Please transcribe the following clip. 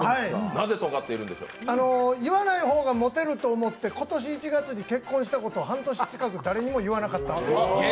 言わない方がモテると思って今年１月に結婚したことを半年近く誰にも言わなかった。